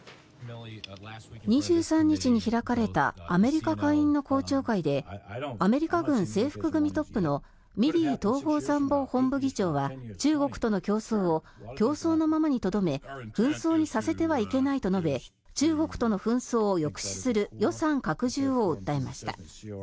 ２３日に開かれたアメリカ下院の公聴会でアメリカ軍制服組トップのミリー統合参謀本部議長は中国との競争を競争のままにとどめ紛争にさせてはいけないと述べ中国との紛争を抑止する予算拡充を訴えました。